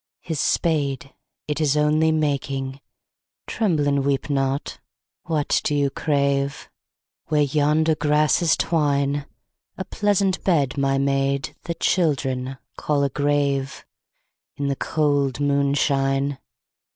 His spade, it Is only making, — (Tremble and weep not I What do you crave ?) Where yonder grasses twine, A pleasant bed, my maid, that Children call a grave, In the cold moonshine.